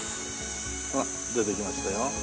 ほら出てきましたよ。